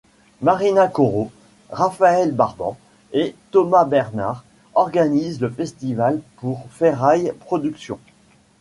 Marina Corro, Raphaël Barban et Thomas Bernard organisent le festival pour Ferraille Productions.